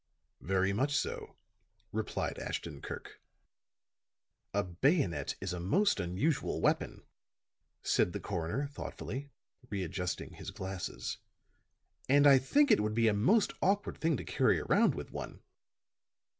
"Very much so," replied Ashton Kirk. "A bayonet is a most unusual weapon," said the coroner thoughtfully, readjusting his glasses. "And I think it would be a most awkward thing to carry around with one.